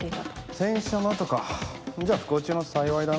洗車の後かじゃ不幸中の幸いだな。